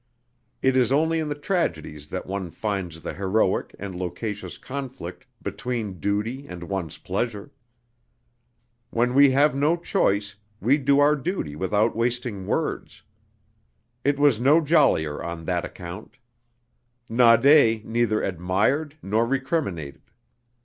It is only in the tragedies that one finds the heroic and loquacious conflict between duty and one's pleasure. When we have no choice, we do our duty without wasting words. It was no jollier on that account. Naudé neither admired nor recriminated.